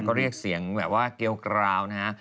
ก็เรียกเสียงแบบว่าเกลียวกราวนะฮะ